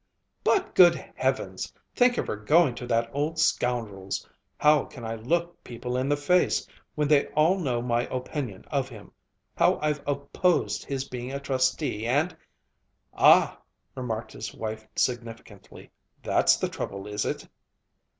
"But, good Heavens! Think of her going to that old scoundrel's how can I look people in the face, when they all know my opinion of him how I've opposed his being a Trustee and " "Ah, !" remarked his wife significantly, "that's the trouble, is it?"